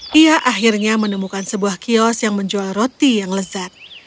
dia akhirnya menemukan sebuah kios yang menjual roti yang lezat